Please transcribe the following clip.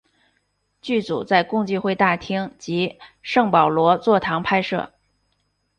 剧组在共济会大厅及圣保罗座堂拍摄。